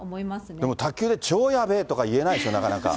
でも、卓球で超やべぇとか言えないでしょ、なかなか。